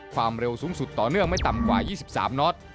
ความเร็วสูงสุดต่อเนื่องไม่ต่ำกว่า๒๓น็อต